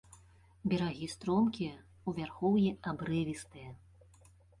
Берагі стромкія, у вярхоўі абрывістыя.